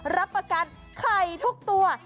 รับประกันไข่ทุกตัว